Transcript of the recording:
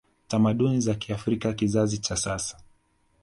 tamaduni za kiafrika Kizazi cha sasa